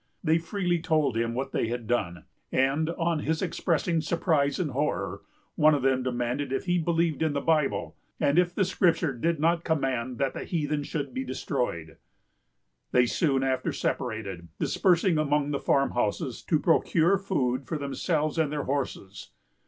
They freely told him what they had done; and, on his expressing surprise and horror, one of them demanded if he believed in the Bible, and if the Scripture did not command that the heathen should be destroyed. They soon after separated, dispersing among the farmhouses, to procure food for themselves and their horses.